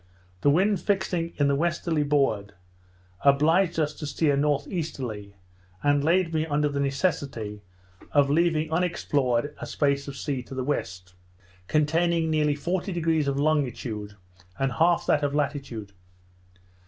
the wind fixing in the western board, obliged us to steer north easterly, and laid me under the necessity of leaving unexplored a space of the sea to the west, containing near 40° of longitude, and half that of latitude.